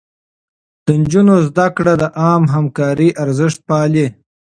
د نجونو زده کړه د عامه همکارۍ ارزښت پالي.